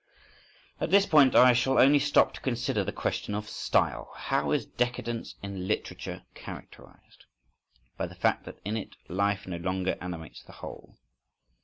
At this point I shall only stop to consider the question of style. How is decadence in literature characterised? By the fact that in it life no longer animates the whole.